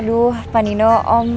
aduh pak nino om